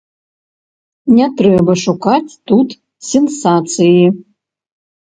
Не трэба шукаць тут сенсацыі.